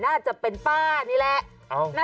น่าจะเป็นป้านี่แหละ